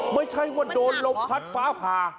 ไม่ใช่ว่าโดนลมพัดฟ้าผ่า